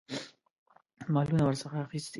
مالونه ورڅخه اخیستي.